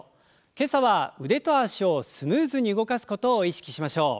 今朝は腕と脚をスムーズに動かすことを意識しましょう。